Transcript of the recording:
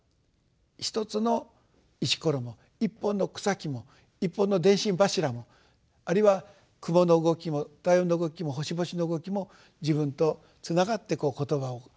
一つの石ころも一本の草木も一本の電信柱もあるいは雲の動きも太陽の動きも星々の動きも自分とつながって言葉を変えていく。